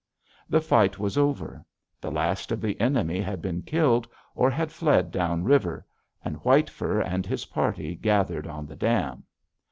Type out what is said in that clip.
"The fight was over. The last of the enemy had been killed, or had fled down river, and White Fur and his party gathered on the dam.